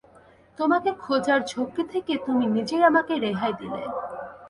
তোমাকে খোঁজার ঝক্কি থেকে তুমি নিজেই আমাকে রেহাই দিলে।